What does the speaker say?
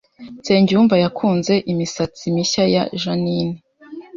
Nsengiyumva yakunze imisatsi mishya ya Jeaninne